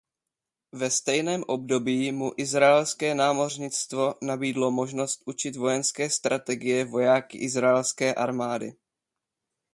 Ve stejném období mu izraelské námořnictvo nabídlo možnost učit vojenské strategie vojáky izraelské armády.